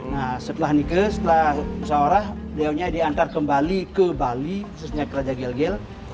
nah setelah nikah setelah musyawarah diawanya diantar kembali ke bali khususnya ke raja gel gel